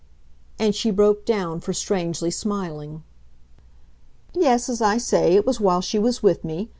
And she broke down for strangely smiling. "Yes, as I say, it was while she was with me.